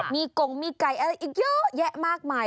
มีกงมีไก่อะไรอีกเยอะแยะมากมาย